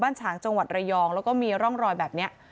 ฉางจังหวัดระยองแล้วก็มีร่องรอยแบบนี้